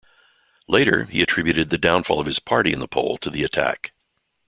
Later, he attributed the downfall of his party in the poll to the attack.